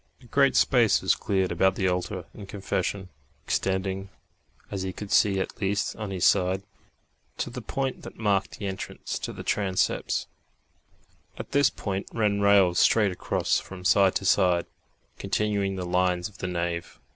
A great space was cleared about the altar and confession, extending, as he could see at least on his side, to the point that marked the entrance to the transepts; at this point ran rails straight across from side to side, continuing the lines of the nave.